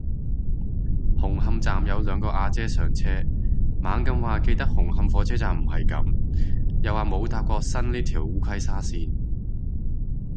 紅磡站有兩個阿姐上車，猛咁話記得紅磡火車站唔係噉，又話冇搭過新呢條烏溪沙綫